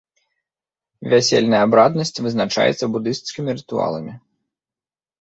Вясельная абраднасць вызначаецца будысцкімі рытуаламі.